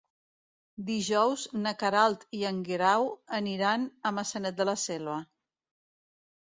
Dijous na Queralt i en Guerau aniran a Maçanet de la Selva.